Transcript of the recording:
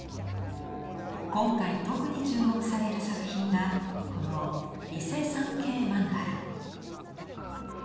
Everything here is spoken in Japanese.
今回特に注目される作品がこの「伊勢参詣曼荼羅」。